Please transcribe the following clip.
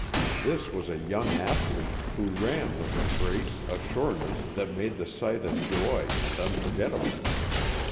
This was a young athlete, who ran with a grace, a sureness, that made the sight a joy and unforgettable.